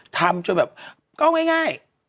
ทำช่วงแบบก็ง่าย